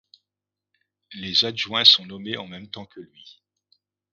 Les adjoints sont nommés en même temps que lui.